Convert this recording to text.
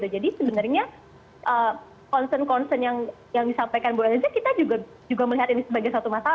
jadi sebenarnya concern concern yang disampaikan bu elisa kita juga melihat ini sebagai satu masalah